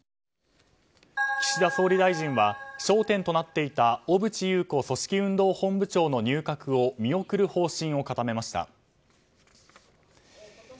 岸田総理大臣は焦点となっていた小渕優子組織運動本部長の入閣を入閣を見送る方針を固めました。